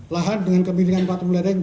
lahan dengan kemiringan empat puluh lereng